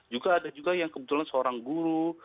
juga ada juga yang kebetulan seorang guru